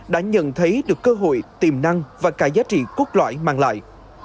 đã nhận thấy được cơ hội tiềm năng và cả giá trị cốt loại mang lại